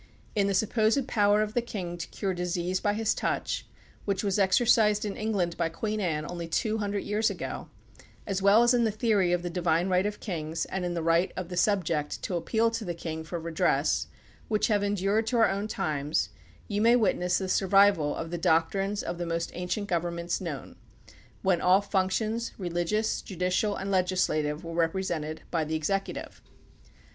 In the supposed power of the king to cure disease by his touch, which was exercised in England by Queen Anne only two hundred years ago, as well as in the theory of the divine right of kings and in the right of the subject to appeal to the king for re dress, which have endured to our own times, you may witness the survival of the doctrines of the most an cient governments known, when all functions, religious, judicial, and legislative, were represented by the executive.